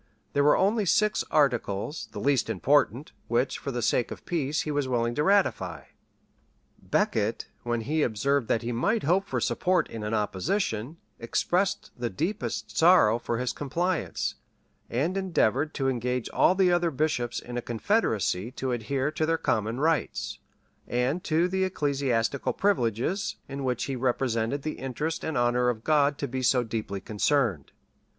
There were only six articles, the least important, which, for the sake of peace, he was willing to ratify. Becket, when he observed that he might hope for support in an opposition, expressed the deepest sorrow for his compliance; and endeavored to engage all the other bishops in a confederacy to adhere to their common rights, and to the ecclesiastical privileges, in which he represented the interest and honor of God to be so deeply concerned.